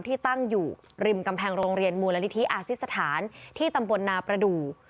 ที่ตั้งอยู่ริมกำแพงโรงเรียนมูลนิธิอาซิสถานที่ตำบลนาประดูก